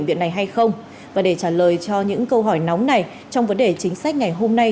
và để trả lời cho những câu hỏi nóng này trong vấn đề chính sách ngày hôm nay